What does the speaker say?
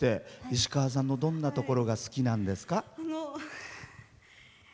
石川さんのどんなところが好きなんですか？